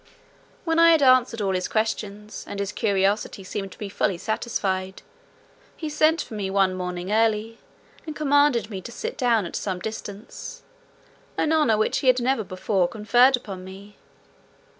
When I had answered all his questions, and his curiosity seemed to be fully satisfied, he sent for me one morning early, and commanded me to sit down at some distance (an honour which he had never before conferred upon me).